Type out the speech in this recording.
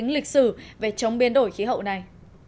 lịch sử về chống biến đổi khí hậu này